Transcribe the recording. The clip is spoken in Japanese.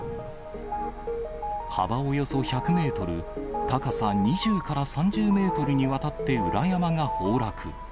幅およそ１００メートル、高さ２０から３０メートルにわたって裏山が崩落。